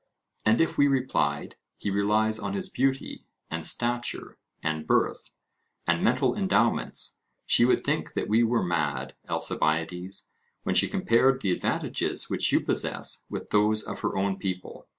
And if we replied: He relies on his beauty, and stature, and birth, and mental endowments, she would think that we were mad, Alcibiades, when she compared the advantages which you possess with those of her own people.